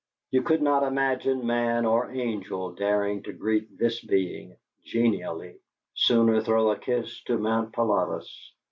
You could not imagine man or angel daring to greet this being genially sooner throw a kiss to Mount Pilatus!